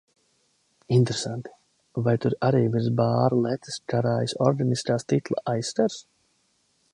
Interesanti, vai tur arī virs bāra letes karājas organiskā stikla aizskars?